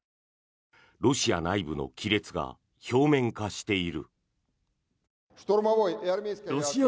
ロシア内部の亀裂が表面化している。